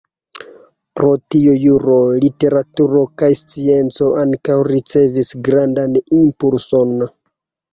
Pro tio juro, literaturo kaj scienco ankaŭ ricevis grandan impulson.